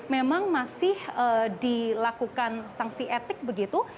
memang masih dilakukan sanksi etik begitu